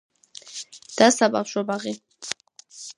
და საბავშვო ბაღი.